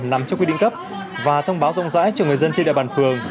nằm trong quy định cấp và thông báo rộng rãi cho người dân trên địa bàn phường